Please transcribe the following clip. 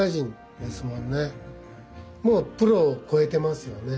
もうプロを超えてますよね。